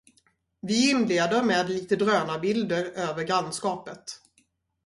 Vi inleder med lite drönarbilder över grannskapet.